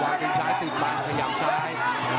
วางติดซ้ายติดปังขยับซ้าย